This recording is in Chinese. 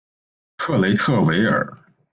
克雷特维尔。